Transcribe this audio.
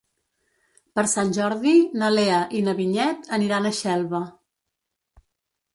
Per Sant Jordi na Lea i na Vinyet aniran a Xelva.